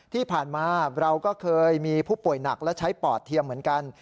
ที่ผ่านมาเราก็เคยมีผู้ป่วยหนักและใช้ปอดเทียมเหมือนกัน